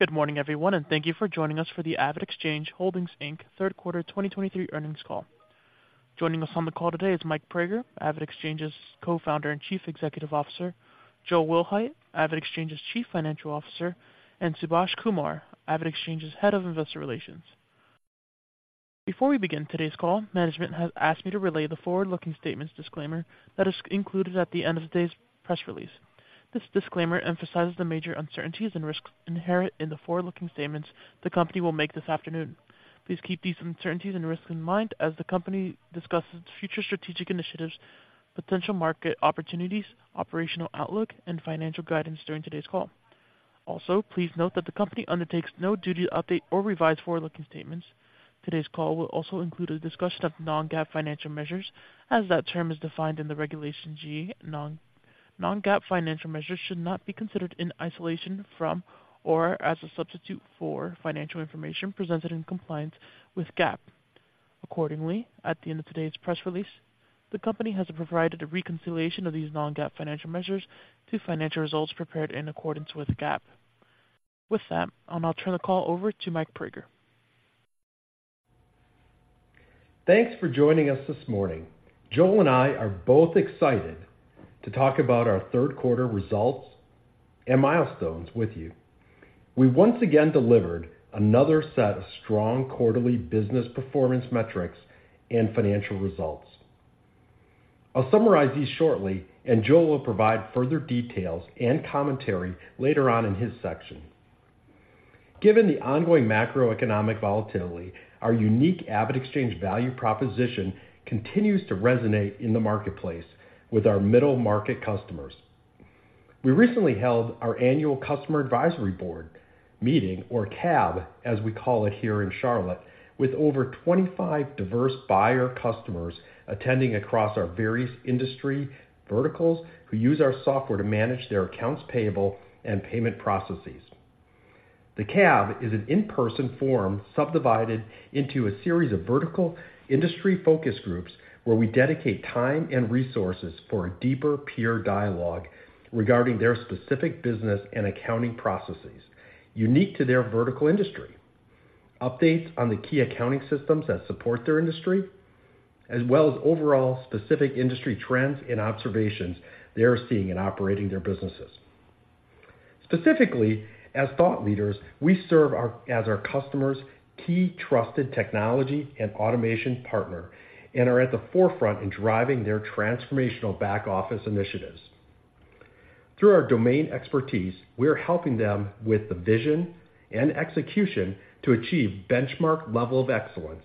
Good morning, everyone, and thank you for joining us for the AvidXchange Holdings, Inc third quarter 2023 earnings call. Joining us on the call today is Mike Praeger, AvidXchange's Co-founder and Chief Executive Officer, Joel Wilhite, AvidXchange's Chief Financial Officer, and Subhaash Kumar, AvidXchange's Head of Investor Relations. Before we begin today's call, management has asked me to relay the forward-looking statements disclaimer that is included at the end of today's press release. This disclaimer emphasizes the major uncertainties and risks inherent in the forward-looking statements the company will make this afternoon. Please keep these uncertainties and risks in mind as the company discusses future strategic initiatives, potential market opportunities, operational outlook, and financial guidance during today's call. Also, please note that the company undertakes no duty to update or revise forward-looking statements. Today's call will also include a discussion of non-GAAP financial measures, as that term is defined in the Regulation G. non-GAAP financial measures should not be considered in isolation from or as a substitute for financial information presented in compliance with GAAP. Accordingly, at the end of today's press release, the company has provided a reconciliation of these non-GAAP financial measures to financial results prepared in accordance with GAAP. With that, I'll now turn the call over to Mike Praeger. Thanks for joining us this morning. Joel and I are both excited to talk about our third quarter results and milestones with you. We once again delivered another set of strong quarterly business performance metrics and financial results. I'll summarize these shortly, and Joel will provide further details and commentary later on in his section. Given the ongoing macroeconomic volatility, our unique AvidXchange value proposition continues to resonate in the marketplace with our middle-market customers. We recently held our annual Customer Advisory Board meeting, or CAB, as we call it here in Charlotte, with over 25 diverse buyer customers attending across our various industry verticals, who use our software to manage their accounts payable and payment processes. The CAB is an in-person forum subdivided into a series of vertical industry focus groups, where we dedicate time and resources for a deeper peer dialogue regarding their specific business and accounting processes unique to their vertical industry, updates on the key accounting systems that support their industry, as well as overall specific industry trends and observations they are seeing in operating their businesses. Specifically, as thought leaders, we serve as our customers' key trusted technology and automation partner and are at the forefront in driving their transformational back-office initiatives. Through our domain expertise, we are helping them with the vision and execution to achieve benchmark level of excellence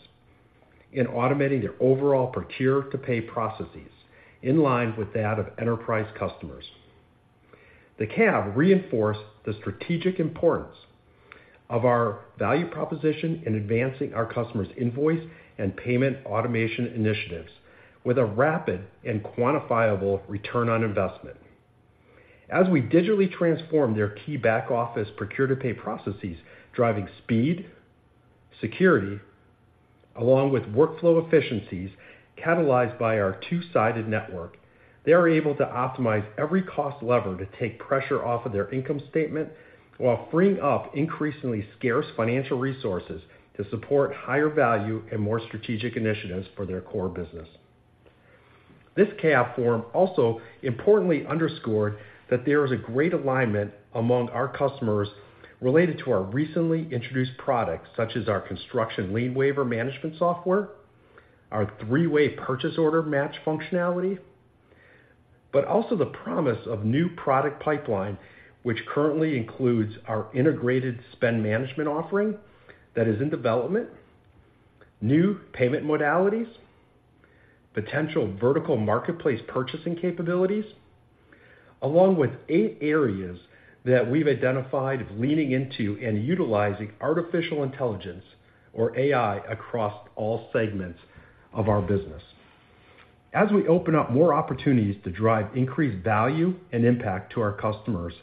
in automating their overall procure-to-pay processes in line with that of enterprise customers. The CAB reinforced the strategic importance of our value proposition in advancing our customers' invoice and payment automation initiatives with a rapid and quantifiable return on investment. As we digitally transform their key back-office procure-to-pay processes, driving speed, security, along with workflow efficiencies catalyzed by our two-sided network, they are able to optimize every cost lever to take pressure off of their income statement while freeing up increasingly scarce financial resources to support higher value and more strategic initiatives for their core business. This CAB forum also importantly underscored that there is a great alignment among our customers related to our recently introduced products, such as our construction lien waiver management software, our three-way purchase order match functionality, but also the promise of new product pipeline, which currently includes our integrated spend management offering that is in development, new payment modalities, potential vertical marketplace purchasing capabilities, along with eight areas that we've identified of leaning into and utilizing artificial intelligence or AI across all segments of our business. As we open up more opportunities to drive increased value and impact to our customers,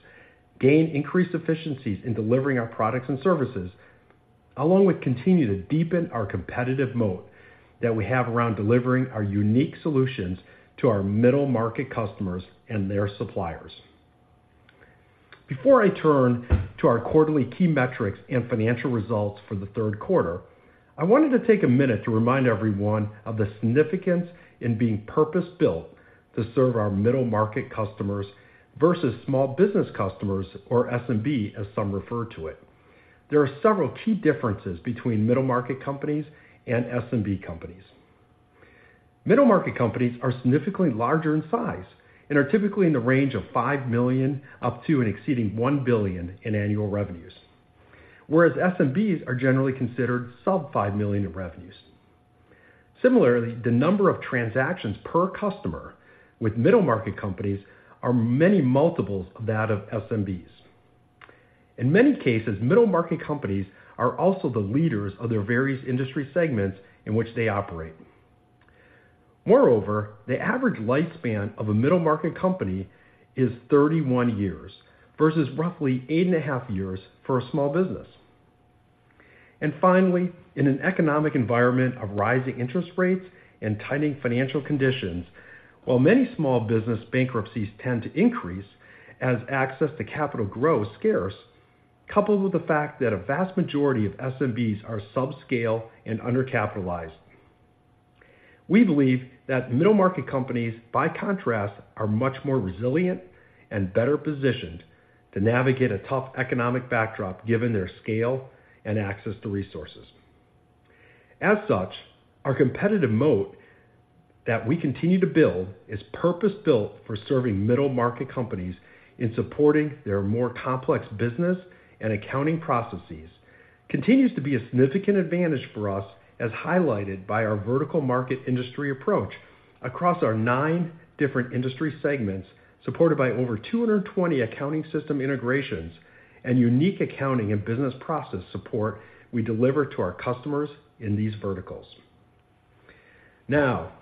gain increased efficiencies in delivering our products and services, along with continue to deepen our competitive moat that we have around delivering our unique solutions to our middle-market customers and their suppliers. Before I turn to our quarterly key metrics and financial results for the third quarter, I wanted to take a minute to remind everyone of the significance in being purpose-built to serve our middle-market customers versus small business customers, or SMB, as some refer to it. There are several key differences between middle-market companies and SMB companies. Middle-market companies are significantly larger in size and are typically in the range of $5 million, up to and exceeding $1 billion in annual revenues, whereas SMBs are generally considered sub $5 million in revenues. Similarly, the number of transactions per customer with middle-market companies are many multiples of that of SMBs. In many cases, middle-market companies are also the leaders of their various industry segments in which they operate. Moreover, the average lifespan of a middle-market company is 31 years versus roughly 8.5 years for a small business. And finally, in an economic environment of rising interest rates and tightening financial conditions, while many small business bankruptcies tend to increase as access to capital grows scarce, coupled with the fact that a vast majority of SMBs are subscale and undercapitalized. We believe that middle-market companies, by contrast, are much more resilient and better positioned to navigate a tough economic backdrop, given their scale and access to resources. As such, our competitive moat that we continue to build is purpose-built for serving middle-market companies in supporting their more complex business and accounting processes. It continues to be a significant advantage for us, as highlighted by our vertical market industry approach across our nine different industry segments, supported by over 220 accounting system integrations and unique accounting and business process support we deliver to our customers in these verticals. Now,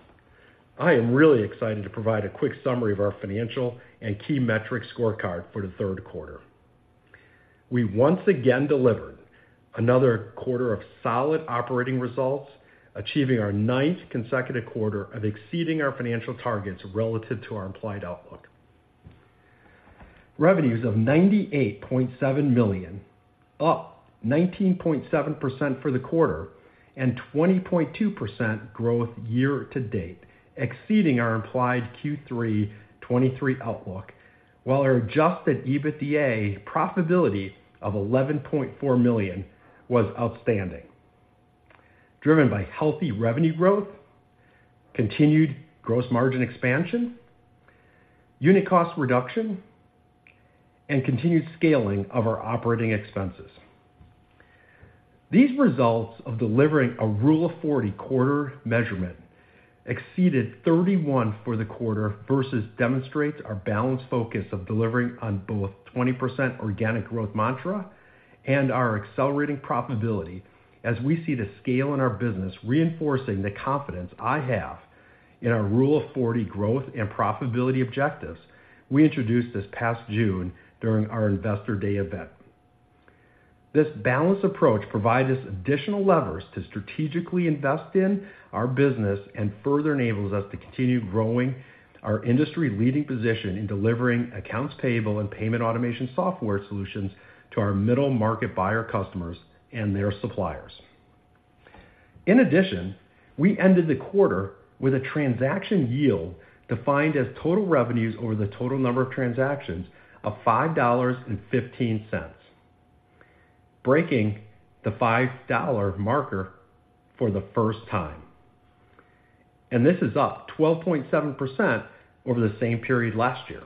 I am really excited to provide a quick summary of our financial and key metrics scorecard for the third quarter. We once again delivered another quarter of solid operating results, achieving our ninth consecutive quarter of exceeding our financial targets relative to our implied outlook. Revenues of $98.7 million, up 19.7% for the quarter and 20.2% growth year-to-date, exceeding our implied Q3 2023 outlook, while our Adjusted EBITDA profitability of $11.4 million was outstanding. Driven by healthy revenue growth, continued gross margin expansion, unit cost reduction, and continued scaling of our operating expenses. These results of delivering a Rule of 40 quarter measurement exceeded 31 for the quarter versus demonstrates our balanced focus of delivering on both 20% organic growth mantra and our accelerating profitability as we see the scale in our business, reinforcing the confidence I have in our Rule of 40 growth and profitability objectives we introduced this past June during our Investor Day event. This balanced approach provides us additional levers to strategically invest in our business and further enables us to continue growing our industry-leading position in delivering accounts payable and payment automation software solutions to our middle-market buyer customers and their suppliers. In addition, we ended the quarter with a transaction yield, defined as total revenues over the total number of transactions of $5.15, breaking the $5 marker for the first time. And this is up 12.7% over the same period last year.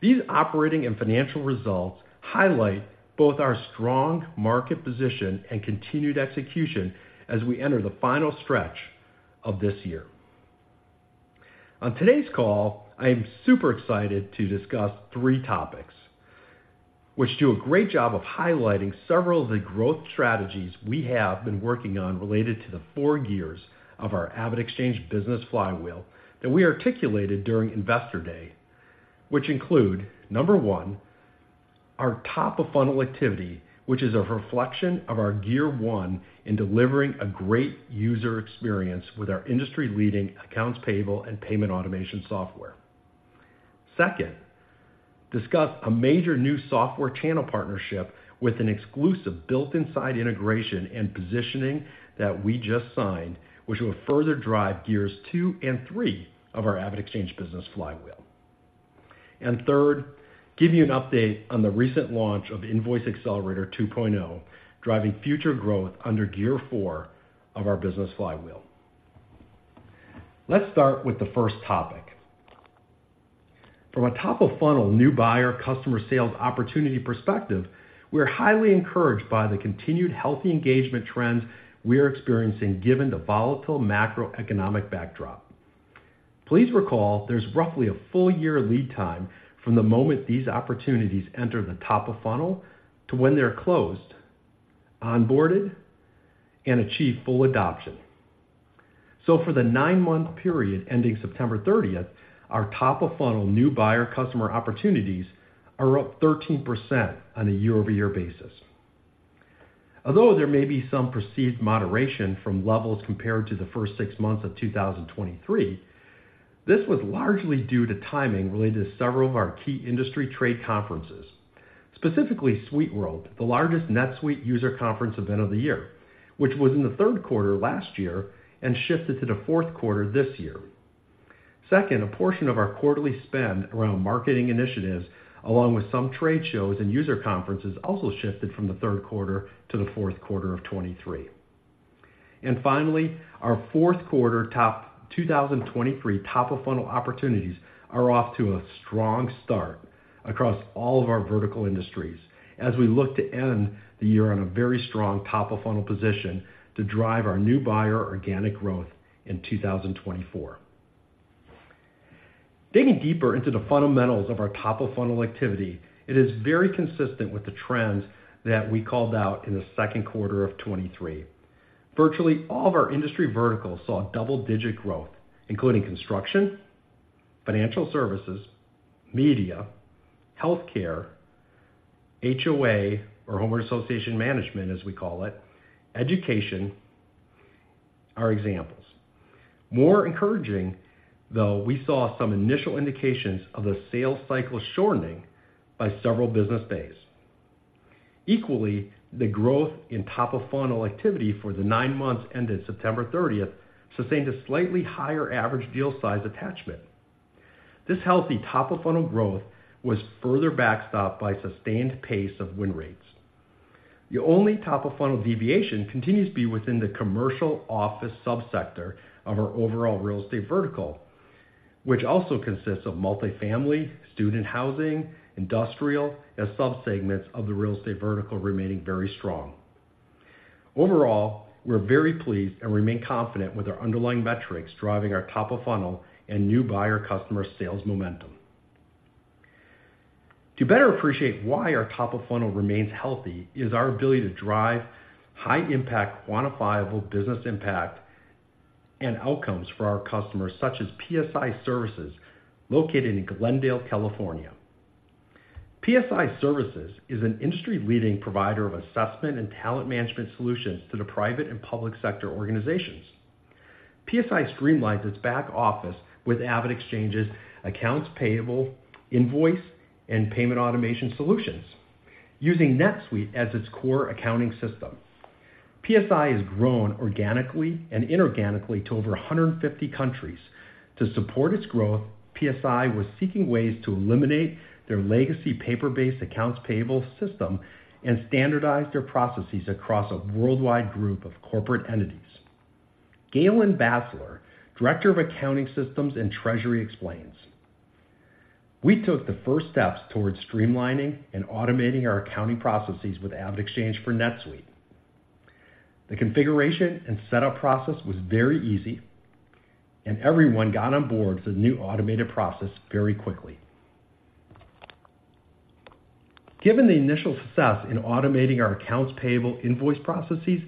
These operating and financial results highlight both our strong market position and continued execution as we enter the final stretch of this year. On today's call, I am super excited to discuss three topics, which do a great job of highlighting several of the growth strategies we have been working on related to the four gears of our AvidXchange business flywheel that we articulated during Investor Day, which include, number one, our top-of-funnel activity, which is a reflection of our gear one in delivering a great user experience with our industry-leading accounts payable and payment automation software. Second, discuss a major new software channel partnership with an exclusive built-inside integration and positioning that we just signed, which will further drive gears two and three of our AvidXchange business flywheel. And third, give you an update on the recent launch of Invoice Accelerator 2.0, driving future growth under gear four of our business flywheel. Let's start with the first topic. From a top-of-funnel, new buyer, customer sales opportunity perspective, we are highly encouraged by the continued healthy engagement trends we are experiencing given the volatile macroeconomic backdrop. Please recall, there's roughly a full year lead time from the moment these opportunities enter the top of funnel to when they're closed, onboarded, and achieve full adoption. For the nine-month period ending September thirtieth, our top-of-funnel new buyer customer opportunities are up 13% on a year-over-year basis. Although there may be some perceived moderation from levels compared to the first six months of 2023, this was largely due to timing related to several of our key industry trade conferences. Specifically, SuiteWorld, the largest NetSuite user conference event of the year, which was in the third quarter last year and shifted to the fourth quarter this year. Second, a portion of our quarterly spend around marketing initiatives, along with some trade shows and user conferences, also shifted from the third quarter to the fourth quarter of 2023. And finally, our fourth quarter 2023 top-of-funnel opportunities are off to a strong start across all of our vertical industries as we look to end the year on a very strong top-of-funnel position to drive our new buyer organic growth in 2024. Digging deeper into the fundamentals of our top-of-funnel activity, it is very consistent with the trends that we called out in the second quarter of 2023. Virtually all of our industry verticals saw double-digit growth, including construction, financial services, media, healthcare, HOA, or homeowner association management, as we call it, education, are examples. More encouraging, though, we saw some initial indications of the sales cycle shortening by several business days. Equally, the growth in top-of-funnel activity for the nine months ended September 30 sustained a slightly higher average deal size attachment. This healthy top-of-funnel growth was further backstopped by sustained pace of win rates. The only top-of-funnel deviation continues to be within the commercial office subsector of our overall real estate vertical, which also consists of multifamily, student housing, industrial, as subsegments of the real estate vertical remaining very strong. Overall, we're very pleased and remain confident with our underlying metrics driving our top-of-funnel and new buyer customer sales momentum. To better appreciate why our top-of-funnel remains healthy, is our ability to drive high impact, quantifiable business impact and outcomes for our customers, such as PSI Services, located in Glendale, California. PSI Services is an industry-leading provider of assessment and talent management solutions to the private and public sector organizations. PSI streamlines its back office with AvidXchange's accounts payable, invoice, and payment automation solutions, using NetSuite as its core accounting system. PSI has grown organically and inorganically to over 150 countries. To support its growth, PSI was seeking ways to eliminate their legacy paper-based accounts payable system and standardize their processes across a worldwide group of corporate entities. Galen Basler, Director of Accounting Systems and Treasury, explains, "We took the first steps towards streamlining and automating our accounting processes with AvidXchange for NetSuite. The configuration and setup process was very easy, and everyone got on board with the new automated process very quickly. Given the initial success in automating our accounts payable invoice processes,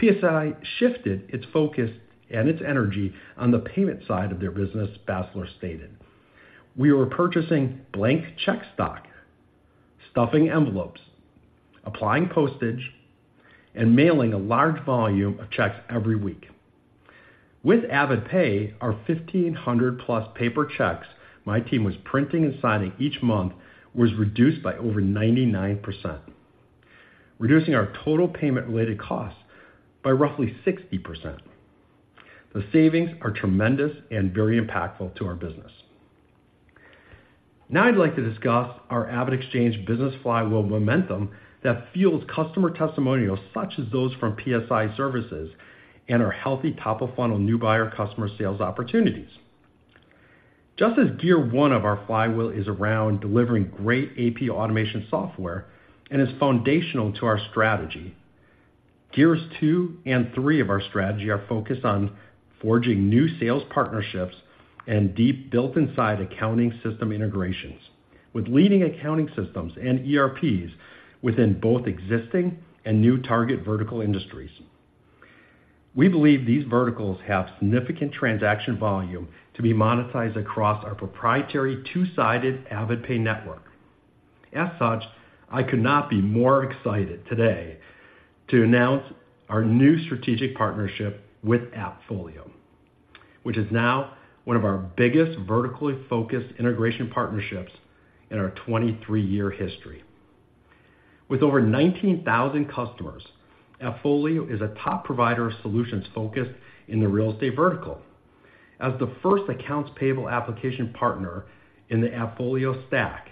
PSI shifted its focus and its energy on the payment side of their business," Basler stated. We were purchasing blank check stock, stuffing envelopes, applying postage, and mailing a large volume of checks every week. With AvidPay, our 1,500+ paper checks my team was printing and signing each month was reduced by over 99%, reducing our total payment-related costs by roughly 60%. The savings are tremendous and very impactful to our business." Now I'd like to discuss our AvidXchange business flywheel momentum that fuels customer testimonials, such as those from PSI Services and our healthy top-of-funnel new buyer customer sales opportunities. Just as gear one of our flywheel is around delivering great AP automation software and is foundational to our strategy, gears two and three of our strategy are focused on forging new sales partnerships and deep built-inside accounting system integrations, with leading accounting systems and ERPs within both existing and new target vertical industries. We believe these verticals have significant transaction volume to be monetized across our proprietary two-sided AvidPay Network. As such, I could not be more excited today to announce our new strategic partnership with AppFolio, which is now one of our biggest vertically focused integration partnerships in our 23-year history. With over 19,000 customers, AppFolio is a top provider of solutions focused in the real estate vertical. As the first accounts payable application partner in the AppFolio stack,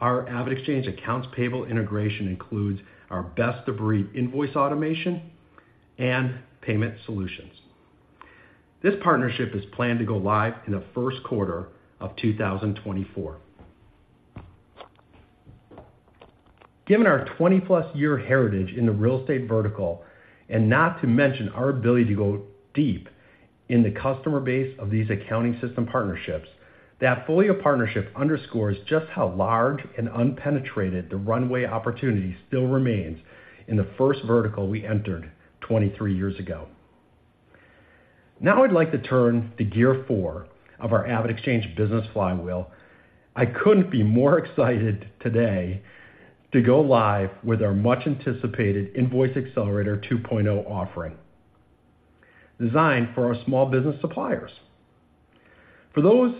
our AvidXchange accounts payable integration includes our best-of-breed invoice automation and payment solutions. This partnership is planned to go live in the first quarter of 2024. Given our 20+ year heritage in the real estate vertical, and not to mention our ability to go deep in the customer base of these accounting system partnerships, the AppFolio partnership underscores just how large and unpenetrated the runway opportunity still remains in the first vertical we entered 23 years ago. Now, I'd like to turn to gear four of our AvidXchange business flywheel. I couldn't be more excited today to go live with our much-anticipated Invoice Accelerator 2.0 offering, designed for our small business suppliers. For those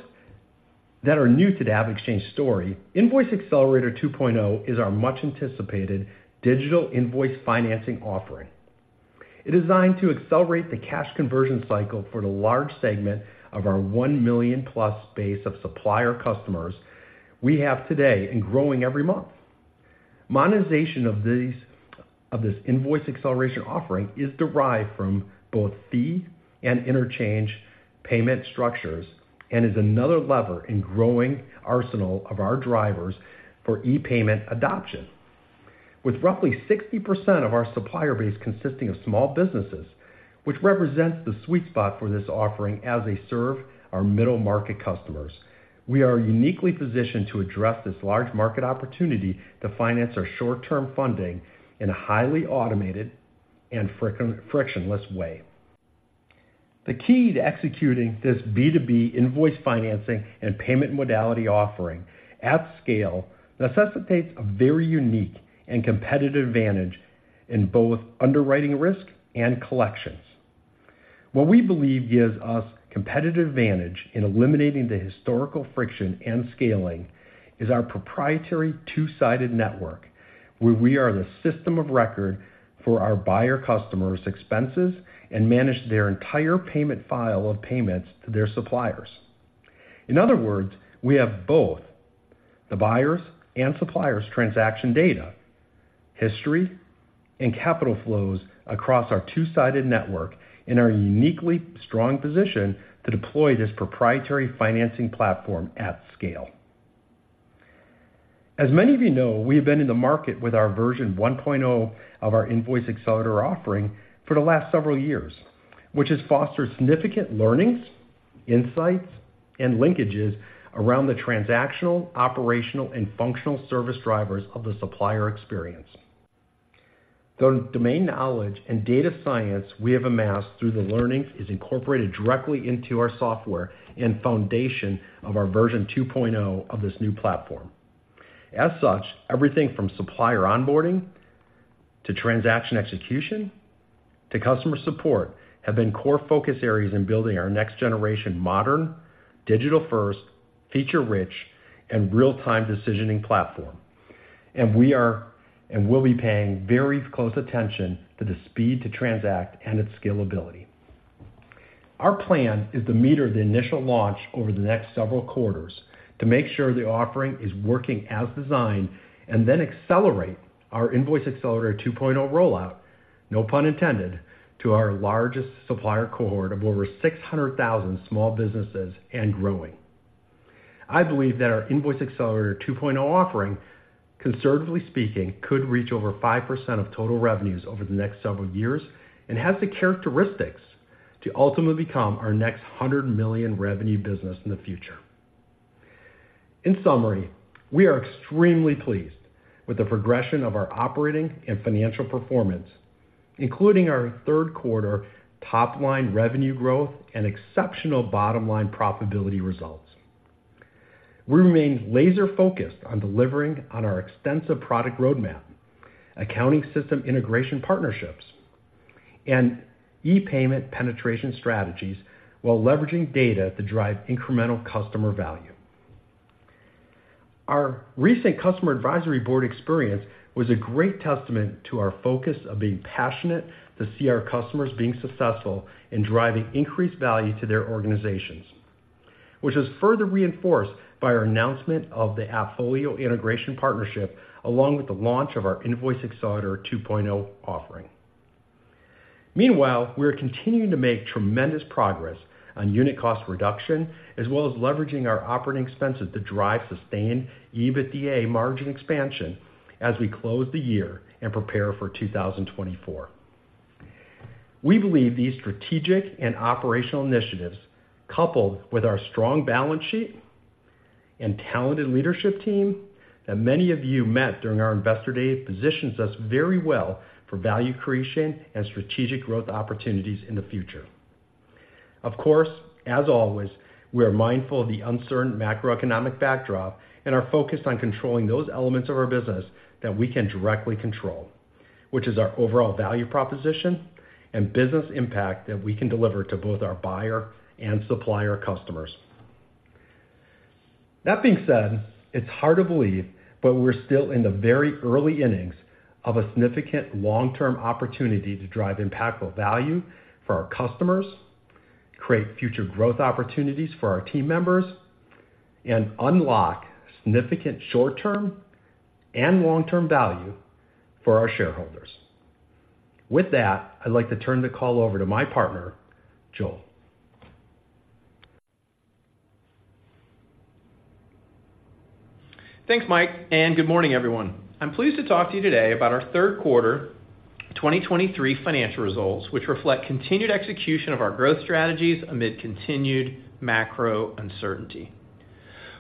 that are new to the AvidXchange story, Invoice Accelerator 2.0 is our much-anticipated digital invoice financing offering. It is designed to accelerate the cash conversion cycle for the large segment of our 1 million+ base of supplier customers we have today, and growing every month. Monetization of these, of this invoice acceleration offering is derived from both fee and interchange payment structures, and is another lever in growing arsenal of our drivers for e-payment adoption. With roughly 60% of our supplier base consisting of small businesses, which represents the sweet spot for this offering as they serve our middle-market customers, we are uniquely positioned to address this large market opportunity to finance our short-term funding in a highly automated and friction, frictionless way. The key to executing this B2B invoice financing and payment modality offering at scale necessitates a very unique and competitive advantage in both underwriting risk and collections. What we believe gives us competitive advantage in eliminating the historical friction and scaling is our proprietary two-sided network, where we are the system of record for our buyer customers' expenses and manage their entire payment file of payments to their suppliers. In other words, we have both the buyers' and suppliers' transaction data, history, and capital flows across our two-sided network in our uniquely strong position to deploy this proprietary financing platform at scale. As many of you know, we have been in the market with our version 1.0 of our Invoice Accelerator offering for the last several years, which has fostered significant learnings, insights, and linkages around the transactional, operational, and functional service drivers of the supplier experience. The domain knowledge and data science we have amassed through the learnings is incorporated directly into our software and foundation of our version 2.0 of this new platform. As such, everything from supplier onboarding to transaction execution to customer support, have been core focus areas in building our next generation modern, digital-first, feature-rich, and real-time decisioning platform. And we'll be paying very close attention to the speed to transact and its scalability. Our plan is to meter the initial launch over the next several quarters to make sure the offering is working as designed, and then accelerate our Invoice Accelerator 2.0 rollout, no pun intended, to our largest supplier cohort of over 600,000 small businesses and growing. I believe that our Invoice Accelerator 2.0 offering, conservatively speaking, could reach over 5% of total revenues over the next several years and has the characteristics to ultimately become our next $100 million revenue business in the future. In summary, we are extremely pleased with the progression of our operating and financial performance, including our third quarter top line revenue growth and exceptional bottom line profitability results. We remain laser focused on delivering on our extensive product roadmap, accounting system integration partnerships, and e-payment penetration strategies, while leveraging data to drive incremental customer value. Our recent customer advisory board experience was a great testament to our focus of being passionate to see our customers being successful in driving increased value to their organizations, which is further reinforced by our announcement of the AppFolio integration partnership, along with the launch of our Invoice Accelerator 2.0 offering. Meanwhile, we are continuing to make tremendous progress on unit cost reduction, as well as leveraging our operating expenses to drive sustained EBITDA margin expansion as we close the year and prepare for 2024. We believe these strategic and operational initiatives, coupled with our strong balance sheet and talented leadership team that many of you met during our Investor Day, positions us very well for value creation and strategic growth opportunities in the future. Of course, as always, we are mindful of the uncertain macroeconomic backdrop and are focused on controlling those elements of our business that we can directly control, which is our overall value proposition and business impact that we can deliver to both our buyer and supplier customers. That being said, it's hard to believe, but we're still in the very early innings of a significant long-term opportunity to drive impactful value for our customers, create future growth opportunities for our team members, and unlock significant short-term and long-term value for our shareholders. With that, I'd like to turn the call over to my partner, Joel. Thanks, Mike, and good morning, everyone. I'm pleased to talk to you today about our third quarter 2023 financial results, which reflect continued execution of our growth strategies amid continued macro uncertainty.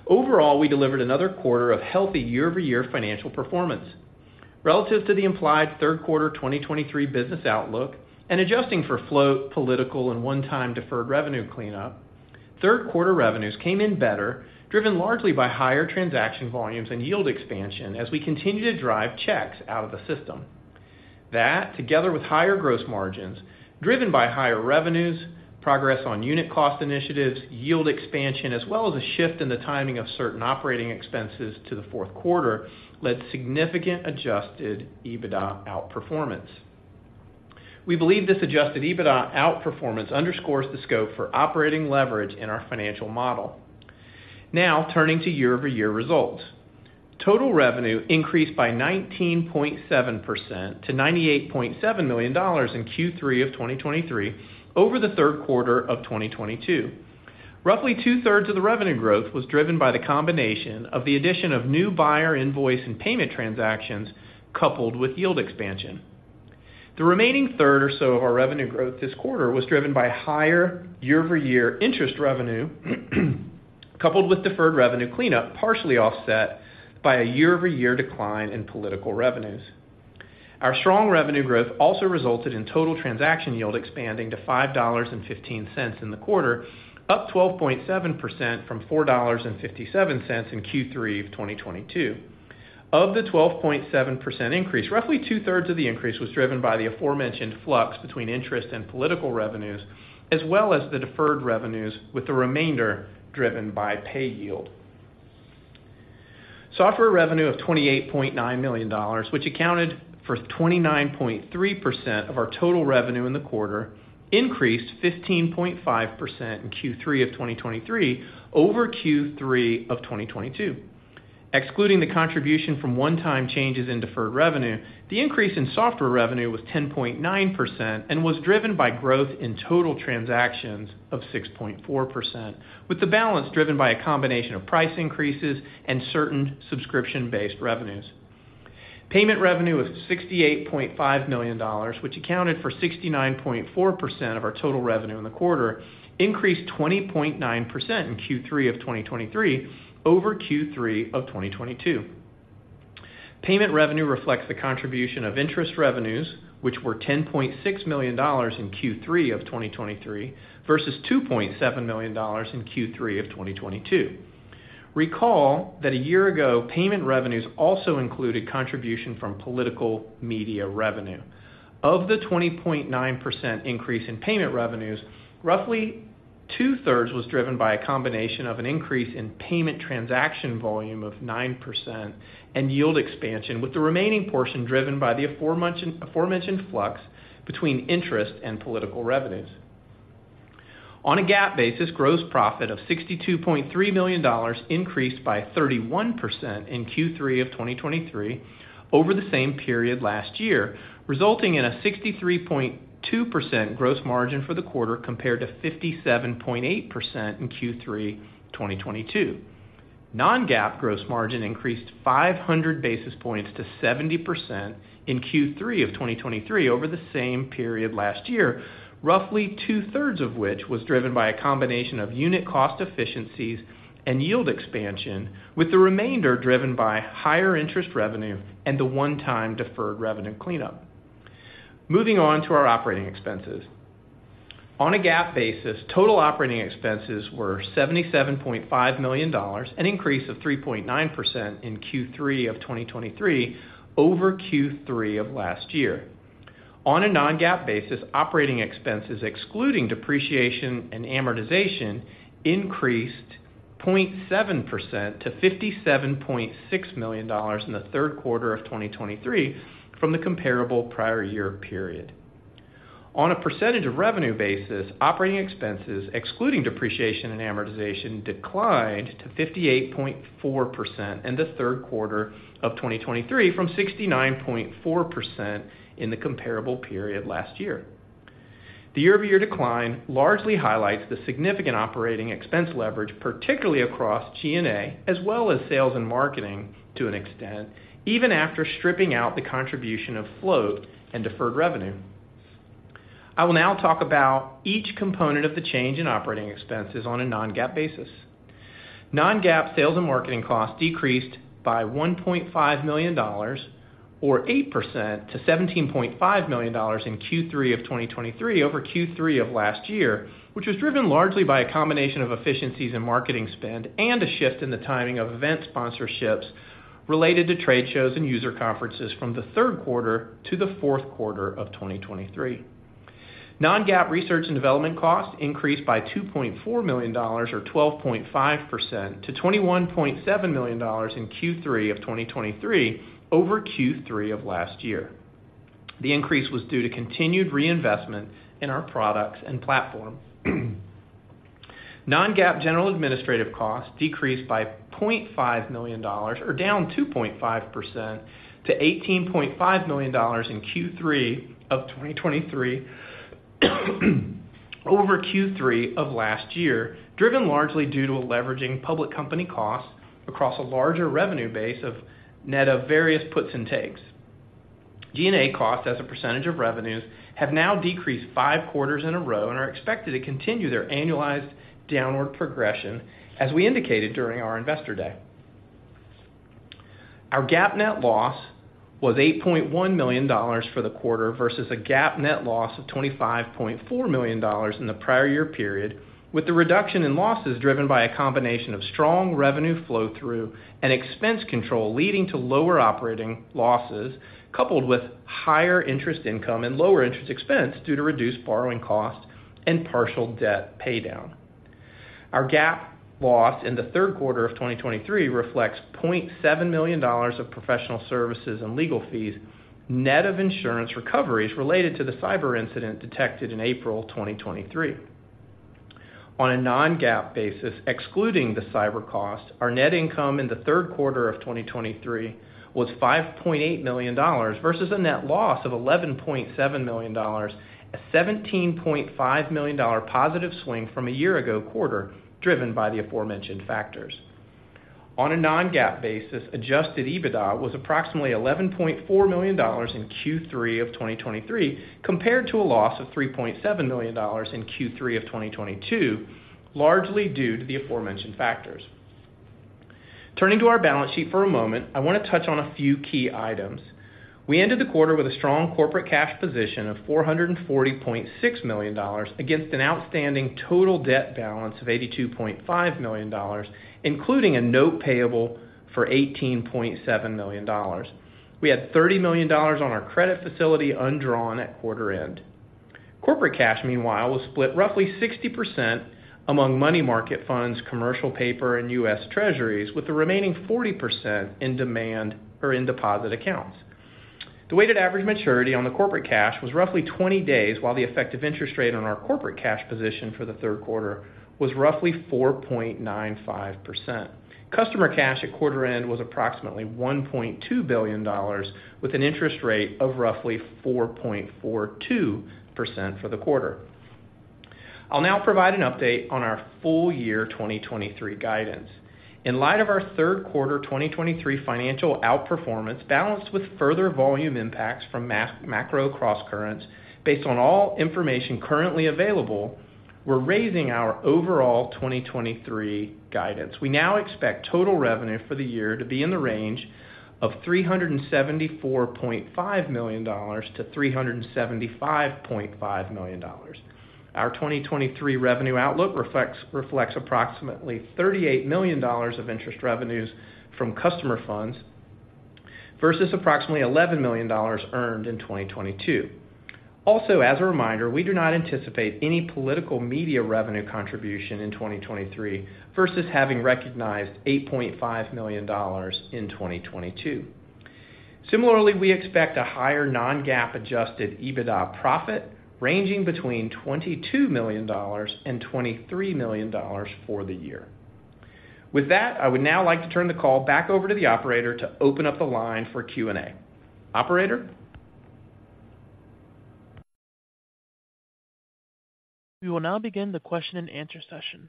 Overall, we delivered another quarter of healthy year-over-year financial performance. Relative to the implied third quarter 2023 business outlook and adjusting for float, political, and one-time deferred revenue cleanup, third quarter revenues came in better, driven largely by higher transaction volumes and yield expansion as we continue to drive checks out of the system. That, together with higher gross margins, driven by higher revenues, progress on unit cost initiatives, yield expansion, as well as a shift in the timing of certain operating expenses to the fourth quarter, led to significant Adjusted EBITDA outperformance. We believe this Adjusted EBITDA outperformance underscores the scope for operating leverage in our financial model. Now, turning to year-over-year results. Total revenue increased by 19.7% to $98.7 million in Q3 of 2023 over the third quarter of 2022. Roughly 2/3 of the revenue growth was driven by the combination of the addition of new buyer invoice and payment transactions, coupled with yield expansion. The remaining third or so of our revenue growth this quarter was driven by higher year-over-year interest revenue, coupled with deferred revenue cleanup, partially offset by a year-over-year decline in political revenues. Our strong revenue growth also resulted in total transaction yield expanding to $5.15 in the quarter, up 12.7% from $4.57 in Q3 of 2022. Of the 12.7% increase, roughly 2/3 of the increase was driven by the aforementioned flux between interest and political revenues, as well as the deferred revenues, with the remainder driven by pay yield. Software revenue of $28.9 million, which accounted for 29.3% of our total revenue in the quarter, increased 15.5% in Q3 of 2023 over Q3 of 2022. Excluding the contribution from one-time changes in deferred revenue, the increase in software revenue was 10.9% and was driven by growth in total transactions of 6.4%, with the balance driven by a combination of price increases and certain subscription-based revenues. Payment revenue of $68.5 million, which accounted for 69.4% of our total revenue in the quarter, increased 20.9% in Q3 of 2023 over Q3 of 2022. Payment revenue reflects the contribution of interest revenues, which were $10.6 million in Q3 of 2023 versus $2.7 million in Q3 of 2022. Recall that a year ago, payment revenues also included contribution from political media revenue. Of the 20.9% increase in payment revenues, roughly 2/3 was driven by a combination of an increase in payment transaction volume of 9% and yield expansion, with the remaining portion driven by the aforementioned, aforementioned flux between interest and political revenues. On a GAAP basis, gross profit of $62.3 million increased by 31% in Q3 of 2023 over the same period last year, resulting in a 63.2% gross margin for the quarter, compared to 57.8% in Q3 2022. Non-GAAP gross margin increased 500 basis points to 70% in Q3 of 2023 over the same period last year, roughly 2/3 of which was driven by a combination of unit cost efficiencies and yield expansion, with the remainder driven by higher interest revenue and the one-time deferred revenue cleanup. Moving on to our operating expenses. On a GAAP basis, total operating expenses were $77.5 million, an increase of 3.9% in Q3 of 2023 over Q3 of last year. On a non-GAAP basis, operating expenses, excluding depreciation and amortization, increased 0.7% to $57.6 million in the third quarter of 2023 from the comparable prior year period. On a percentage of revenue basis, operating expenses, excluding depreciation and amortization, declined to 58.4% in the third quarter of 2023 from 69.4% in the comparable period last year. The year-over-year decline largely highlights the significant operating expense leverage, particularly across G&A, as well as sales and marketing to an extent, even after stripping out the contribution of float and deferred revenue. I will now talk about each component of the change in operating expenses on a non-GAAP basis. Non-GAAP sales and marketing costs decreased by $1.5 million, or 8% to $17.5 million in Q3 of 2023 over Q3 of last year, which was driven largely by a combination of efficiencies in marketing spend and a shift in the timing of event sponsorships related to trade shows and user conferences from the third quarter to the fourth quarter of 2023. Non-GAAP research and development costs increased by $2.4 million, or 12.5% to $21.7 million in Q3 of 2023 over Q3 of last year. The increase was due to continued reinvestment in our products and platform. Non-GAAP general administrative costs decreased by $0.5 million, or down 2.5% to $18.5 million in Q3 of 2023, over Q3 of last year, driven largely due to a leveraging public company costs across a larger revenue base of net of various puts and takes. G&A costs as a percentage of revenues have now decreased 5 quarters in a row and are expected to continue their annualized downward progression, as we indicated during our Investor Day. Our GAAP net loss was $8.1 million for the quarter versus a GAAP net loss of $25.4 million in the prior year period, with the reduction in losses driven by a combination of strong revenue flow-through and expense control, leading to lower operating losses, coupled with higher interest income and lower interest expense due to reduced borrowing costs and partial debt paydown. Our GAAP loss in the third quarter of 2023 reflects $0.7 million of professional services and legal fees, net of insurance recoveries related to the cyber incident detected in April 2023. On a non-GAAP basis, excluding the cyber cost, our net income in the third quarter of 2023 was $5.8 million, versus a net loss of $11.7 million, a $17.5 million positive swing from a year ago quarter, driven by the aforementioned factors. On a non-GAAP basis, adjusted EBITDA was approximately $11.4 million in Q3 of 2023, compared to a loss of $3.7 million in Q3 of 2022, largely due to the aforementioned factors. Turning to our balance sheet for a moment, I want to touch on a few key items. We ended the quarter with a strong corporate cash position of $440.6 million, against an outstanding total debt balance of $82.5 million, including a note payable for $18.7 million. We had $30 million on our credit facility undrawn at quarter end. Corporate cash, meanwhile, was split roughly 60% among money market funds, commercial paper, and U.S. Treasuries, with the remaining 40% in demand or in deposit accounts. The weighted average maturity on the corporate cash was roughly 20 days, while the effective interest rate on our corporate cash position for the third quarter was roughly 4.95%. Customer cash at quarter end was approximately $1.2 billion, with an interest rate of roughly 4.42% for the quarter. I'll now provide an update on our full year 2023 guidance. In light of our third quarter 2023 financial outperformance, balanced with further volume impacts from macro crosscurrents, based on all information currently available, we're raising our overall 2023 guidance. We now expect total revenue for the year to be in the range of $374.5 million-$375.5 million. Our 2023 revenue outlook reflects approximately $38 million of interest revenues from customer funds, versus approximately $11 million earned in 2022. Also, as a reminder, we do not anticipate any political media revenue contribution in 2023, versus having recognized $8.5 million in 2022. Similarly, we expect a higher non-GAAP adjusted EBITDA profit, ranging between $22 million and $23 million for the year. With that, I would now like to turn the call back over to the operator to open up the line for Q&A. Operator? We will now begin the question-and-answer session.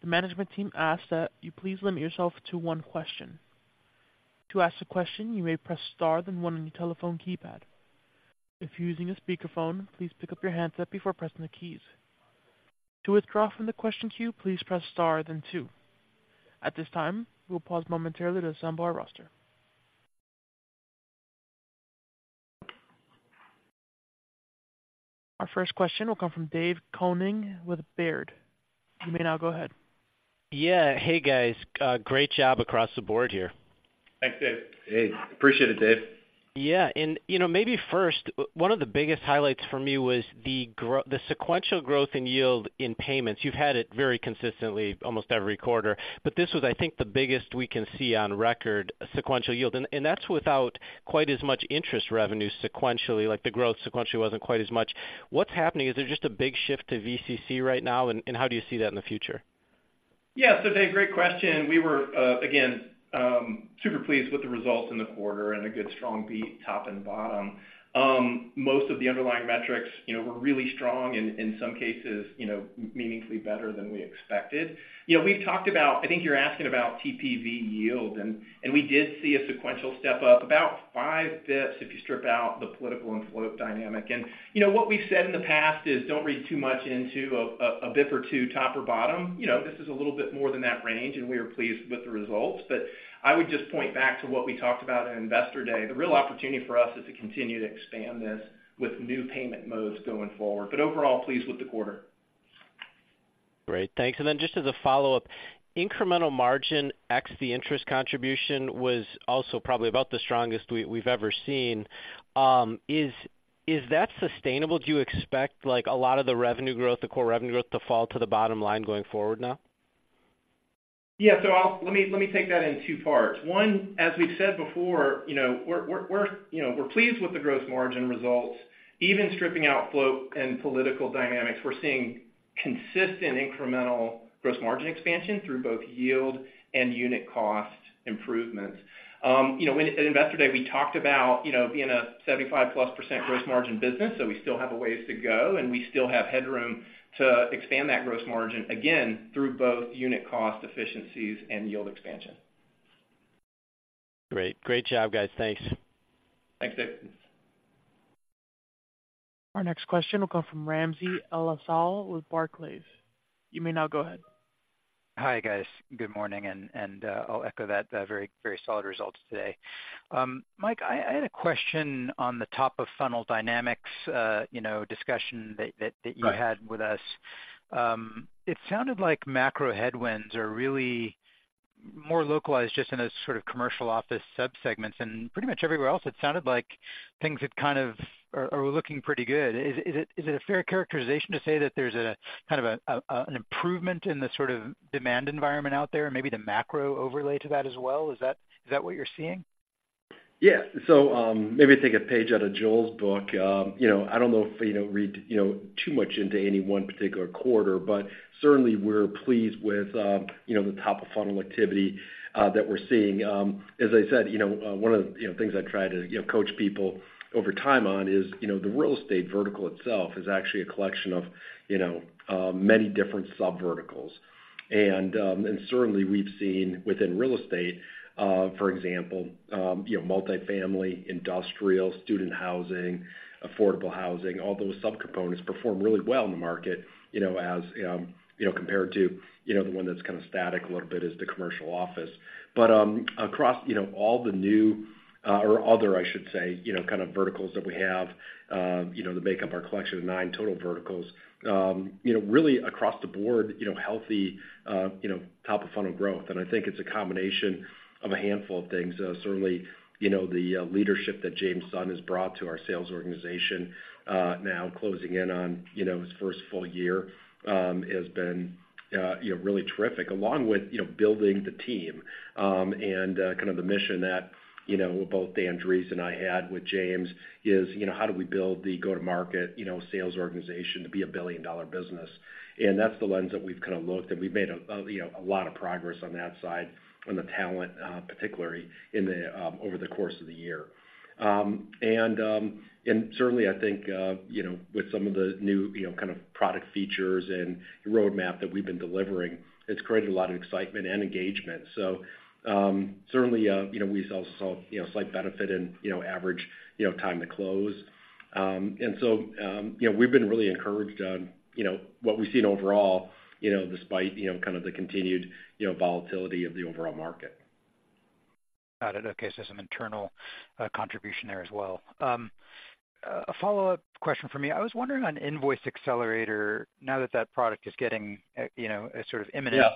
The management team asks that you please limit yourself to one question. To ask a question, you may press star then one on your telephone keypad. If you're using a speakerphone, please pick up your handset before pressing the keys. To withdraw from the question queue, please press star then two. At this time, we'll pause momentarily to assemble our roster. Our first question will come from Dave Koning with Baird. You may now go ahead. Yeah. Hey, guys. Great job across the board here. Thanks, Dave. Hey, appreciate it, Dave. Yeah, and, you know, maybe first, one of the biggest highlights for me was the sequential growth in yield in payments. You've had it very consistently, almost every quarter, but this was, I think, the biggest we can see on record, sequential yield. And that's without quite as much interest revenue sequentially, like, the growth sequentially wasn't quite as much. What's happening? Is there just a big shift to VCC right now, and how do you see that in the future? Yeah. So Dave, great question. We were, again, super pleased with the results in the quarter and a good strong beat, top and bottom. Most of the underlying metrics, you know, were really strong and in some cases, you know, meaningfully better than we expected. You know, we've talked about—I think you're asking about TPV yield, and we did see a sequential step up, about five basis points, if you strip out the political and float dynamic. And, you know, what we've said in the past is, don't read too much into a basis point or two, top or bottom. You know, this is a little bit more than that range, and we are pleased with the results. But I would just point back to what we talked about at Investor Day. The real opportunity for us is to continue to expand this with new payment modes going forward, but overall, pleased with the quarter. Great. Thanks. And then just as a follow-up, incremental margin, ex, the interest contribution, was also probably about the strongest we've ever seen. Is that sustainable? Do you expect, like, a lot of the revenue growth, the core revenue growth, to fall to the bottom line going forward now? Yeah. So I'll. Let me, let me take that in two parts. One, as we've said before, you know, we're pleased with the growth margin results. Even stripping out float and political dynamics, we're seeing consistent incremental gross margin expansion through both yield and unit cost improvements. You know, when at Investor Day, we talked about, you know, being a 75%+ gross margin business, so we still have a ways to go, and we still have headroom to expand that gross margin, again, through both unit cost efficiencies and yield expansion. Great. Great job, guys. Thanks. Thanks, Dave. Our next question will come from Ramsey El-Assal with Barclays. You may now go ahead. Hi, guys. Good morning, I'll echo that, very, very solid results today. Mike, I had a question on the top-of-funnel dynamics, you know, discussion that- Right you had with us. It sounded like macro headwinds are really more localized just in a sort of commercial office subsegments, and pretty much everywhere else, it sounded like things had kind of... are looking pretty good. Is it a fair characterization to say that there's a kind of an improvement in the sort of demand environment out there, and maybe the macro overlay to that as well? Is that what you're seeing? Yeah. So, maybe take a page out of Joel's book. You know, I don't know if, you know, read, you know, too much into any one particular quarter, but certainly, we're pleased with, you know, the top-of-funnel activity that we're seeing. As I said, you know, one of the, you know, things I try to, you know, coach people over time on is, you know, the real estate vertical itself is actually a collection of, you know, many different subverticals. And certainly, we've seen within real estate, for example, you know, multifamily, industrial, student housing, affordable housing, all those subcomponents perform really well in the market, you know, as, you know, compared to, you know, the one that's kind of static a little bit is the commercial office. But across, you know, all the new, or other, I should say, you know, kind of verticals that we have, you know, that make up our collection of nine total verticals, you know, really across the board, you know, healthy, you know, top-of-funnel growth. And I think it's a combination of a handful of things. Certainly, you know, the leadership that James Sutton has brought to our sales organization, now closing in on, you know, his first full year, has been, you know, really terrific, along with, you know, building the team. And kind of the mission that, you know, both Dan Drees and I had with James is, you know, how do we build the go-to-market, you know, sales organization to be a billion-dollar business? That's the lens that we've kind of looked, and we've made, you know, a lot of progress on that side, on the talent, particularly over the course of the year. And certainly, I think, you know, with some of the new, you know, kind of product features and roadmap that we've been delivering, it's created a lot of excitement and engagement. So, certainly, you know, we also saw, you know, slight benefit in, you know, average time to close. And so, you know, we've been really encouraged on, you know, what we've seen overall, you know, despite, you know, kind of the continued volatility of the overall market. Got it. Okay, so some internal contribution there as well. A follow-up question for me: I was wondering on Invoice Accelerator, now that that product is getting, you know, sort of imminent- Yeah.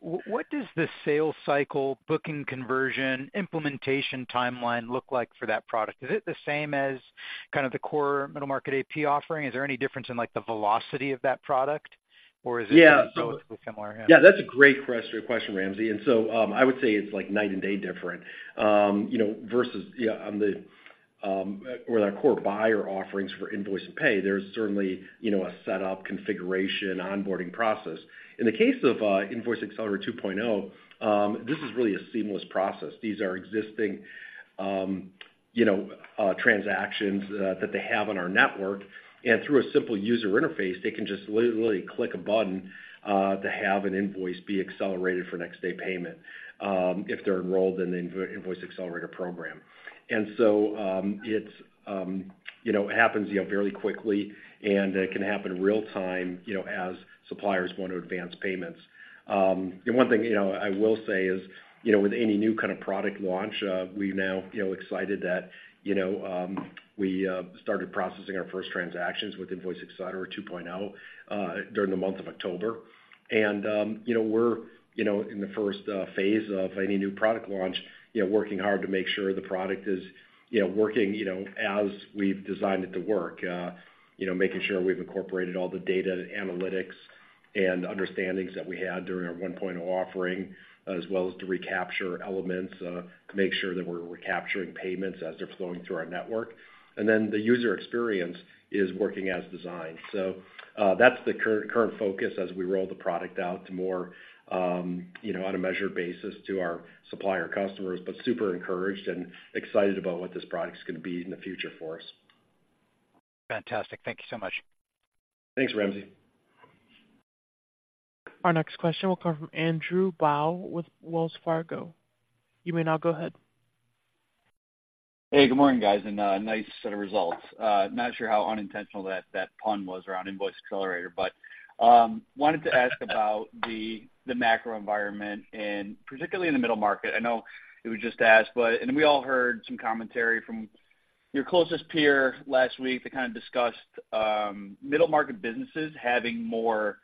What does the sales cycle, booking conversion, implementation timeline look like for that product? Is it the same as kind of the core middle-market AP offering? Is there any difference in, like, the velocity of that product, or is it- Yeah. Relatively similar? Yeah. Yeah, that's a great question, Ramzi. And so, I would say it's like night and day different. You know, versus, yeah, on the, with our core buyer offerings for invoice and pay, there's certainly, you know, a setup, configuration, onboarding process. In the case of Invoice Accelerator 2.0, this is really a seamless process. These are existing, you know, transactions that they have on our network, and through a simple user interface, they can just literally click a button to have an invoice be accelerated for next-day payment, if they're enrolled in the Invoice Accelerator program. And so, it's, you know, happens, you know, fairly quickly, and it can happen real time, you know, as suppliers want to advance payments. And one thing, you know, I will say is, you know, with any new kind of product launch, we've now, you know, excited that, you know, we started processing our first transactions with Invoice Accelerator 2.0, during the month of October. And, you know, we're, you know, in the first phase of any new product launch, you know, working hard to make sure the product is, you know, working, you know, as we've designed it to work. You know, making sure we've incorporated all the data analytics and understandings that we had during our 1.0 offering, as well as to recapture elements, to make sure that we're recapturing payments as they're flowing through our network. And then the user experience is working as designed. That's the current focus as we roll the product out to more, you know, on a measured basis to our supplier customers, but super encouraged and excited about what this product's going to be in the future for us. Fantastic. Thank you so much. Thanks, Ramsey. Our next question will come from Andrew Bauch with Wells Fargo. You may now go ahead. Hey, good morning, guys, and nice set of results. Not sure how unintentional that pun was around Invoice Accelerator, but wanted to ask about the macro environment, and particularly in the middle market. I know it was just asked, but we all heard some commentary from your closest peer last week. They kind of discussed middle-market businesses having more,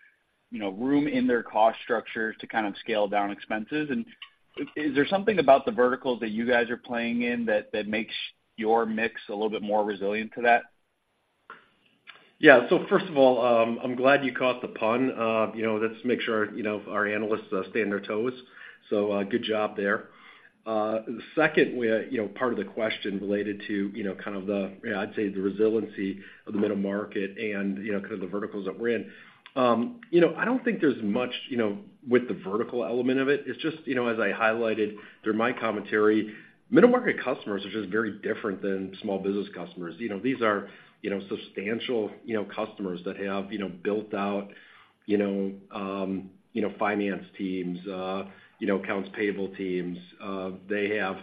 you know, room in their cost structures to kind of scale down expenses. Is there something about the verticals that you guys are playing in that makes your mix a little bit more resilient to that? Yeah. So first of all, I'm glad you caught the pun. You know, let's make sure, you know, our analysts stay on their toes, so, good job there. The second, you know, part of the question related to, you know, kind of the, I'd say, the resiliency of the middle market and, you know, kind of the verticals that we're in. You know, I don't think there's much, you know, with the vertical element of it. It's just, you know, as I highlighted through my commentary, middle-market customers are just very different than small business customers. You know, these are, you know, substantial, you know, customers that have, you know, built out, you know, finance teams, you know, accounts payable teams. They have,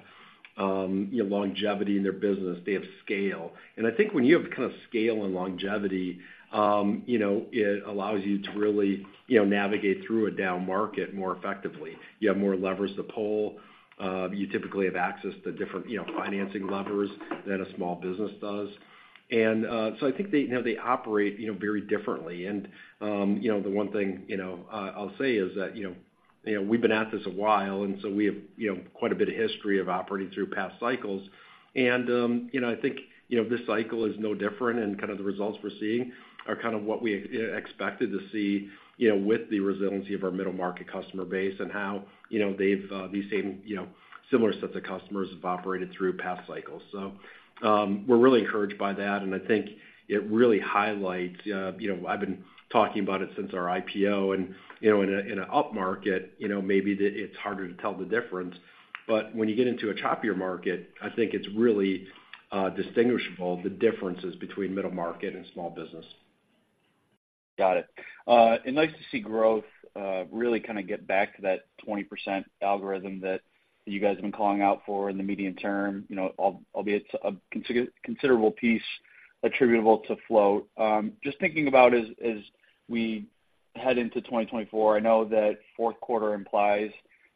you know, longevity in their business. They have scale. I think when you have kind of scale and longevity, you know, it allows you to really, you know, navigate through a down market more effectively. You have more levers to pull. You typically have access to different, you know, financing levers than a small business does. So I think they, you know, they operate, you know, very differently. You know, the one thing, you know, I'll say is that, you know, we've been at this a while, and so we have, you know, quite a bit of history of operating through past cycles. And, you know, I think, you know, this cycle is no different, and kind of the results we're seeing are kind of what we expected to see, you know, with the resiliency of our middle-market customer base and how, you know, these same, you know, similar sets of customers have operated through past cycles. So, we're really encouraged by that, and I think it really highlights, you know, I've been talking about it since our IPO. And, you know, in an upmarket, you know, maybe it's harder to tell the difference, but when you get into a choppier market, I think it's really distinguishable, the differences between middle market and small business. Got it. It's nice to see growth really kind of get back to that 20% algorithm that you guys have been calling out for in the medium term, you know, albeit a considerable piece attributable to float. Just thinking about as we head into 2024, I know that fourth quarter implies,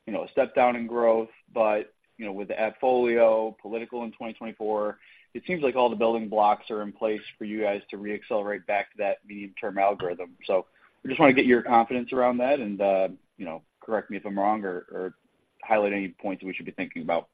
you know, a step down in growth, but, you know, with the AppFolio partnership in 2024, it seems like all the building blocks are in place for you guys to reaccelerate back to that medium-term algorithm. So I just want to get your confidence around that, and, you know, correct me if I'm wrong or highlight any points that we should be thinking about.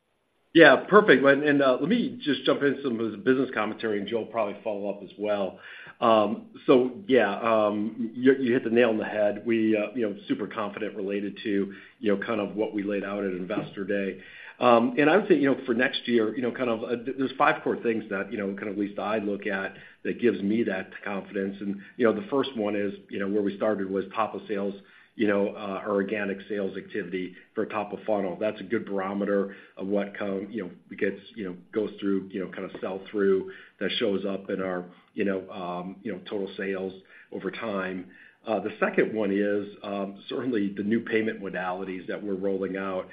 Yeah, perfect. And let me just jump into some of the business commentary, and Joel will probably follow up as well. So yeah, you hit the nail on the head. We, you know, super confident related to, you know, kind of what we laid out at Investor Day. And I would say, you know, for next year, you know, kind of, there's five core things that, you know, kind of at least I look at, that gives me that confidence. And, you know, the first one is, you know, where we started was top of sales, you know, our organic sales activity for top of funnel. That's a good barometer of what comes, you know, gets, you know, goes through, you know, kind of sell through, that shows up in our, you know, you know, total sales over time. The second one is certainly the new payment modalities that we're rolling out.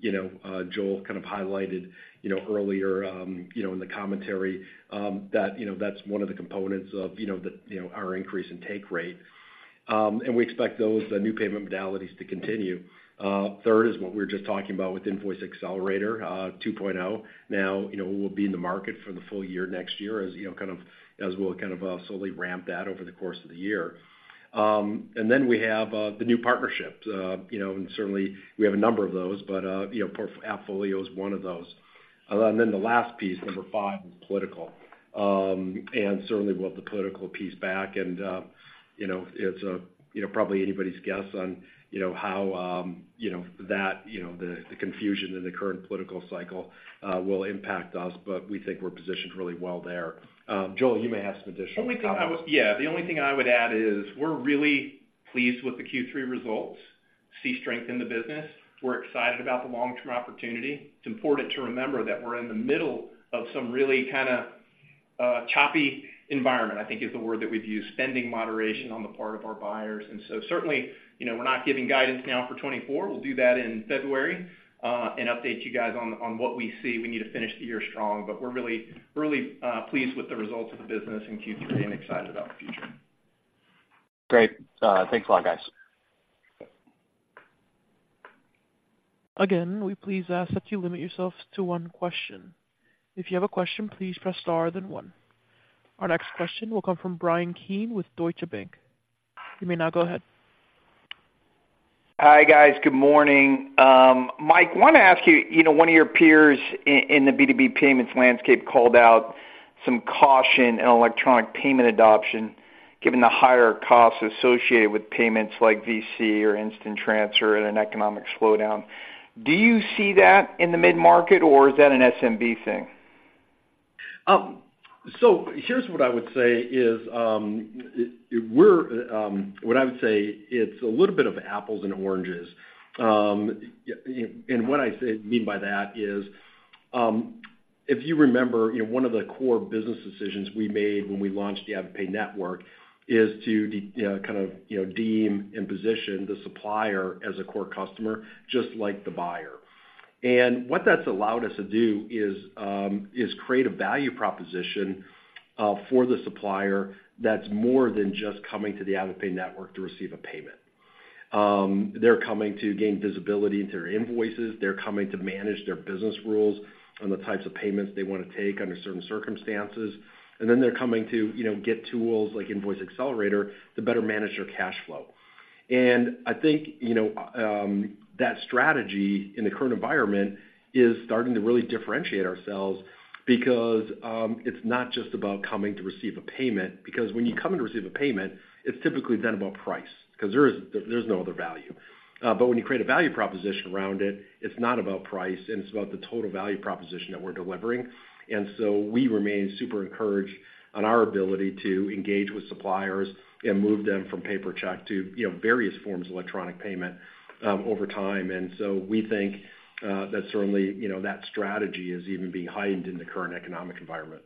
You know, Joel kind of highlighted you know earlier in the commentary that that's one of the components of our increase in take rate. And we expect those, the new payment modalities, to continue. Third is what we were just talking about with Invoice Accelerator 2.0. Now, you know, we'll be in the market for the full year next year, as you know kind of as we'll kind of slowly ramp that over the course of the year. And then we have the new partnerships. You know, and certainly we have a number of those, but you know AppFolio is one of those. And then the last piece, number five, is political. Certainly with the political piece back and, you know, it's, you know, probably anybody's guess on, you know, how, you know, that, the confusion in the current political cycle, will impact us, but we think we're positioned really well there. Joel, you may have some additional comments. Only thing I would... Yeah, the only thing I would add is, we're really pleased with the Q3 results, see strength in the business. We're excited about the long-term opportunity. It's important to remember that we're in the middle of some really kind of, choppy environment, I think, is the word that we'd use, spending moderation on the part of our buyers. And so certainly, you know, we're not giving guidance now for 2024. We'll do that in February, and update you guys on what we see. We need to finish the year strong, but we're really, really, pleased with the results of the business in Q3 and excited about the future. Great. Thanks a lot, guys. Again, we please ask that you limit yourselves to one question. If you have a question, please press star, then one. Our next question will come from Bryan Keane with Deutsche Bank. You may now go ahead. Hi, guys. Good morning. Mike, want to ask you, you know, one of your peers in the B2B payments landscape called out some caution in electronic payment adoption, given the higher costs associated with payments like VC or instant transfer in an economic slowdown. Do you see that in the mid-market, or is that an SMB thing? So here's what I would say is, we're... What I would say, it's a little bit of apples and oranges. And what I mean by that is, if you remember, you know, one of the core business decisions we made when we launched the AvidPay Network is to kind of, you know, deem and position the supplier as a core customer, just like the buyer. And what that's allowed us to do is create a value proposition for the supplier that's more than just coming to the AvidPay Network to receive a payment. They're coming to gain visibility into their invoices. They're coming to manage their business rules on the types of payments they want to take under certain circumstances. Then they're coming to, you know, get tools like Invoice Accelerator to better manage their cash flow. I think, you know, that strategy in the current environment is starting to really differentiate ourselves because it's not just about coming to receive a payment, because when you come in to receive a payment, it's typically then about price, because there's no other value. But when you create a value proposition around it, it's not about price, and it's about the total value proposition that we're delivering. We remain super encouraged on our ability to engage with suppliers and move them from paper check to, you know, various forms of electronic payment over time. We think that certainly, you know, that strategy is even being heightened in the current economic environment.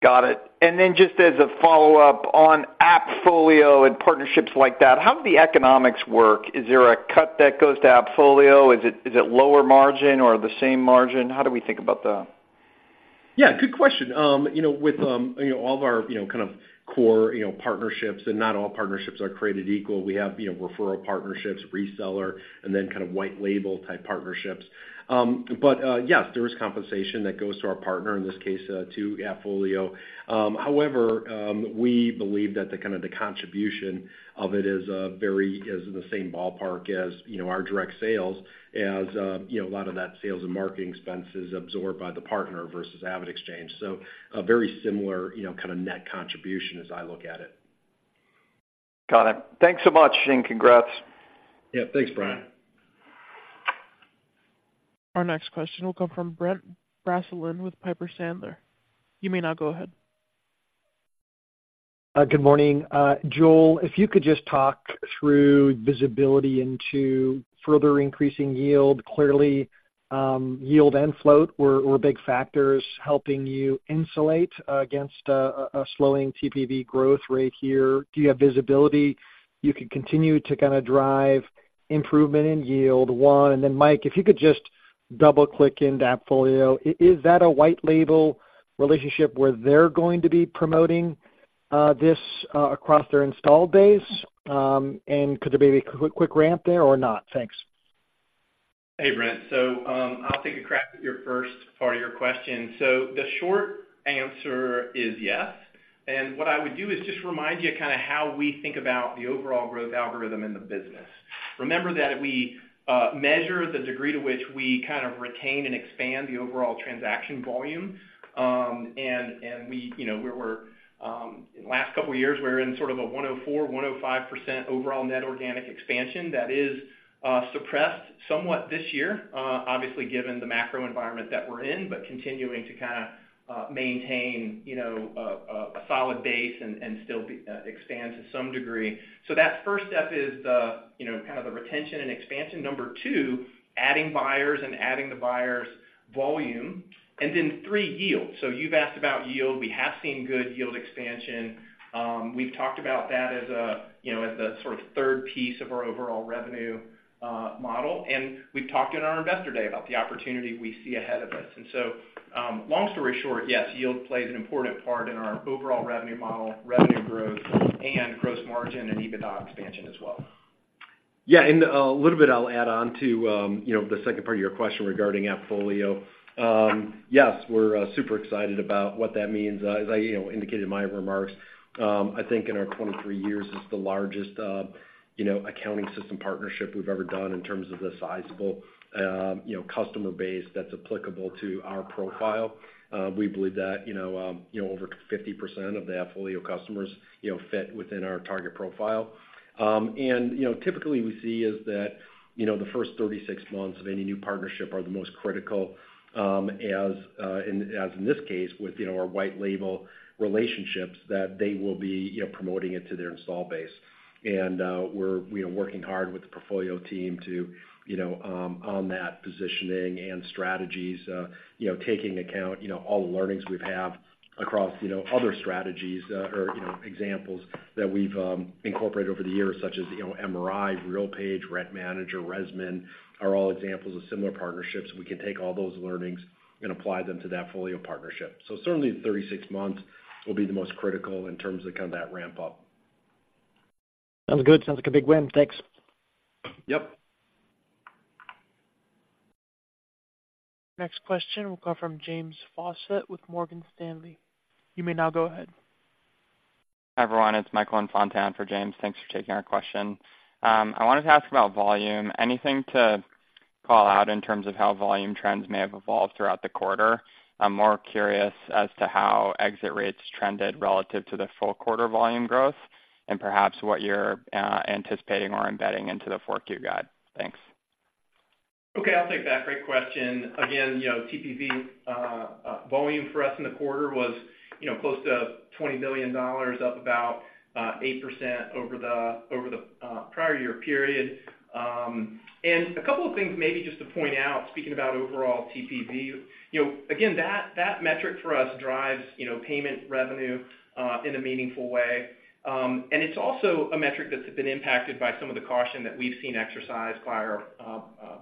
Got it. And then just as a follow-up on AppFolio and partnerships like that, how do the economics work? Is there a cut that goes to AppFolio? Is it, is it lower margin or the same margin? How do we think about that? Yeah, good question. You know, with you know, all of our you know, kind of core you know, partnerships, and not all partnerships are created equal, we have you know, referral partnerships, reseller, and then kind of white label-type partnerships. But yes, there is compensation that goes to our partner, in this case, to AppFolio. However, we believe that the kind of the contribution of it is very is in the same ballpark as you know, our direct sales, as you know, a lot of that sales and marketing expense is absorbed by the partner versus AvidXchange. So a very similar you know, kind of net contribution, as I look at it. Got it. Thanks so much, and congrats. Yeah, thanks, Brian. Our next question will come from Brent Bracelin with Piper Sandler. You may now go ahead. Good morning. Joel, if you could just talk through visibility into further increasing yield. Clearly, yield and float were big factors helping you insulate against a slowing TPV growth rate here. Do you have visibility you could continue to kinda drive improvement in yield, one? And then, Mike, if you could just double-click in that AppFolio. Is that a white label relationship where they're going to be promoting this across their installed base? And could there be a quick ramp there or not? Thanks. Hey, Brent. So, I'll take a crack at your first part of your question. So the short answer is yes, and what I would do is just remind you of kinda how we think about the overall growth algorithm in the business. Remember that we measure the degree to which we kind of retain and expand the overall transaction volume. And we, you know, we're in the last couple of years, we're in sort of a 104-105% overall net organic expansion that is suppressed somewhat this year, obviously, given the macro environment that we're in, but continuing to kinda maintain, you know, a solid base and still be expand to some degree. So that first step is the, you know, kind of the retention and expansion. Number two, adding buyers and adding the buyers' volume. And then three, yield. So you've asked about yield. We have seen good yield expansion. We've talked about that as a, you know, as the sort of third piece of our overall revenue model, and we've talked in our Investor Day about the opportunity we see ahead of us. And so, long story short, yes, yield plays an important part in our overall revenue model, revenue growth, and gross margin and EBITDA expansion as well. Yeah, and a little bit I'll add on to, you know, the second part of your question regarding AppFolio. Yes, we're super excited about what that means. As I, you know, indicated in my remarks, I think in our 23 years, it's the largest, you know, accounting system partnership we've ever done in terms of the sizable, you know, customer base that's applicable to our profile. We believe that, you know, over 50% of the AppFolio customers, you know, fit within our target profile. And you know, typically, we see is that, you know, the first 36 months of any new partnership are the most critical, as, and as in this case, with, you know, our white label relationships, that they will be, you know, promoting it to their installed base. We're working hard with the AppFolio team to, you know, on that positioning and strategies, you know, taking account, you know, all the learnings we've had across, you know, other strategies, or, you know, examples that we've incorporated over the years, such as, you know, MRI, RealPage, Rent Manager, ResMan, are all examples of similar partnerships. We can take all those learnings and apply them to the AppFolio partnership. So certainly, 36 months will be the most critical in terms of kind of that ramp-up. Sounds good. Sounds like a big win. Thanks. Yep. Next question will come from James Faucette with Morgan Stanley. You may now go ahead. Hi, everyone, it's Michael Infante for James. Thanks for taking our question. I wanted to ask about volume. Anything to call out in terms of how volume trends may have evolved throughout the quarter? I'm more curious as to how exit rates trended relative to the full quarter volume growth, and perhaps what you're anticipating or embedding into the fourth Q guide. Thanks. Okay, I'll take that. Great question. Again, you know, TPV volume for us in the quarter was, you know, close to $20 billion, up about 8% over the prior year period. And a couple of things maybe just to point out, speaking about overall TPV. You know, again, that metric for us drives, you know, payment revenue in a meaningful way. And it's also a metric that's been impacted by some of the caution that we've seen exercised by our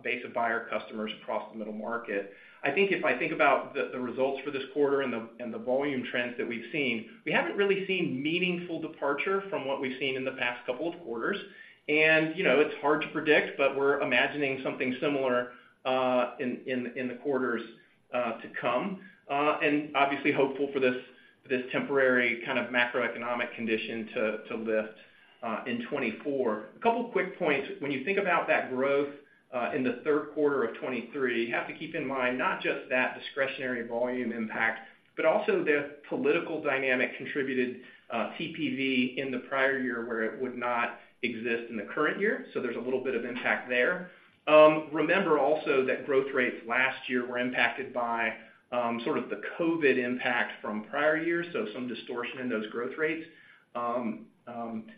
base of buyer customers across the middle market. I think if I think about the results for this quarter and the volume trends that we've seen, we haven't really seen meaningful departure from what we've seen in the past couple of quarters. You know, it's hard to predict, but we're imagining something similar in the quarters to come, and obviously hopeful for this temporary kind of macroeconomic condition to lift in 2024. A couple quick points. When you think about that growth in the third quarter of 2023, you have to keep in mind not just that discretionary volume impact, but also the political dynamic contributed TPV in the prior year, where it would not exist in the current year. So there's a little bit of impact there. Remember also that growth rates last year were impacted by sort of the COVID impact from prior years, so some distortion in those growth rates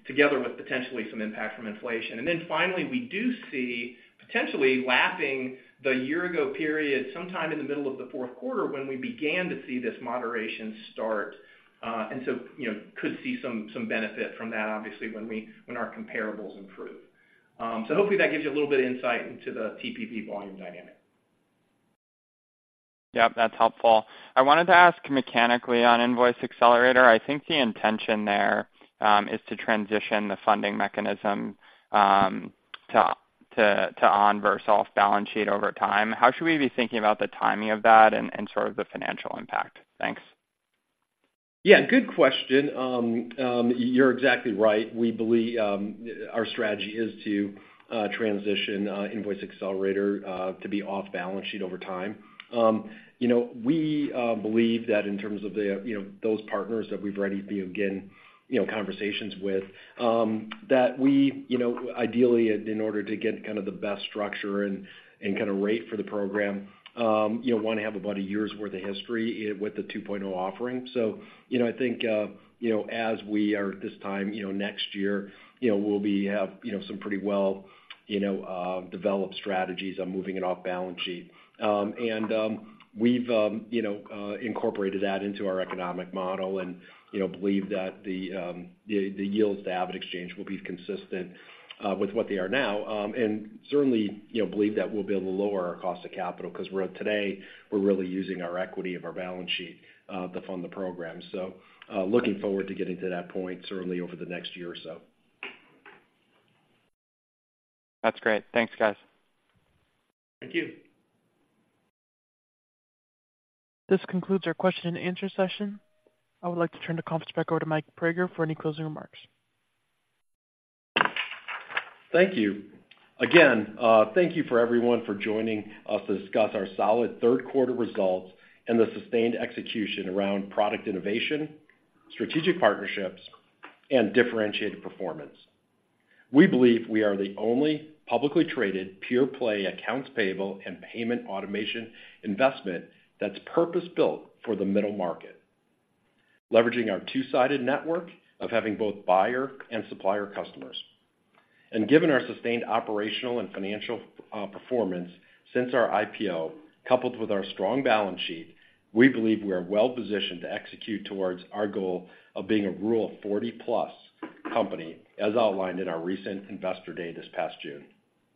together with potentially some impact from inflation. And then finally, we do see potentially lapping the year ago period, sometime in the middle of the fourth quarter, when we began to see this moderation start, and so, you know, could see some benefit from that, obviously, when our comparables improve. So hopefully that gives you a little bit of insight into the TPV volume dynamic. Yep, that's helpful. I wanted to ask mechanically on Invoice Accelerator. I think the intention there is to transition the funding mechanism to on versus off balance sheet over time. How should we be thinking about the timing of that and sort of the financial impact? Thanks. Yeah, good question. You're exactly right. We believe our strategy is to transition Invoice Accelerator to be off balance sheet over time. You know, we believe that in terms of the, you know, those partners that we've already begun, you know, conversations with, that we, you know, ideally, in order to get kind of the best structure and kind of rate for the program, you know, want to have about a year's worth of history with the 2.0 offering. So, you know, I think, you know, as we are at this time, you know, next year, you know, we'll have some pretty well developed strategies on moving it off balance sheet. We've, you know, incorporated that into our economic model and, you know, believe that the yields to AvidXchange will be consistent with what they are now. Certainly, you know, believe that we'll be able to lower our cost of capital, 'cause today, we're really using our equity of our balance sheet to fund the program. Looking forward to getting to that point certainly over the next year or so. That's great. Thanks, guys. Thank you. This concludes our question and answer session. I would like to turn the conference back over to Mike Praeger for any closing remarks. Thank you. Again, thank you for everyone for joining us to discuss our solid third quarter results and the sustained execution around product innovation, strategic partnerships, and differentiated performance. We believe we are the only publicly traded, pure-play accounts payable and payment automation investment that's purpose-built for the middle market, leveraging our two-sided network of having both buyer and supplier customers. And given our sustained operational and financial performance since our IPO, coupled with our strong balance sheet, we believe we are well positioned to execute towards our goal of being a Rule 40+ company, as outlined in our recent Investor Day this past June.